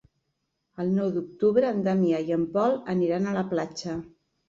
El nou d'octubre en Damià i en Pol aniran a la platja.